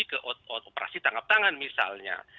ke operasi tangkap tangan misalnya